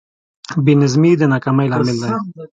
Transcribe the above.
بېنظمي د ناکامۍ لامل دی.